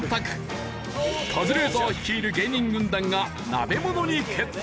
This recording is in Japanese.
カズレーザー率いる芸人軍団が鍋ものに決定。